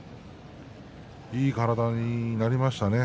いい体になりましたね